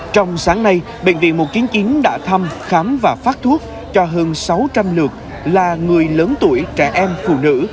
trong sáng nay bệnh viện một trăm chín mươi chín đã thăm khám và phát thuốc cho hơn sáu trăm linh lượt là người lớn tuổi trẻ em phụ nữ